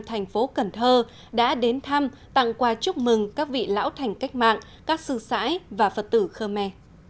thành phố cần thơ đã đến thăm tặng quà chúc mừng các vị lão thành cách mạng các sư sãi và phật tử khơ me